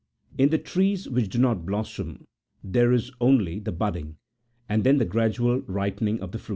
In the trees which do not blossom there is only the budding, and then the gradual ripen 84 See B.